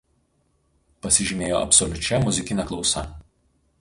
Pasižymėjo absoliučia muzikine klausa.